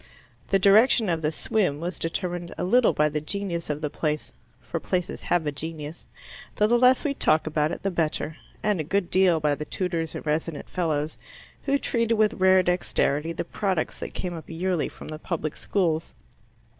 The direction of the swim was determined a little by the genius of the place for places have a genius, though the less we talk about it the better and a good deal by the tutors and resident fellows, who treated with rare dexterity the products that came up yearly from the public schools.